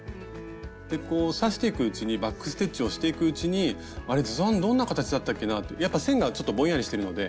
刺していくうちにバック・ステッチをしていくうちにあれ図案どんな形だったっけなってやっぱ線がちょっとぼんやりしてるので。